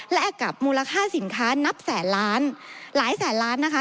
และกับมูลค่าสินค้านับแสนล้านหลายแสนล้านนะคะ